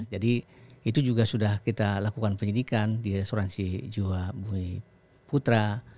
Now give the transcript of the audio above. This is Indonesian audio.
jadi itu juga sudah kita lakukan penyelidikan di asuransi jiwa bumi putra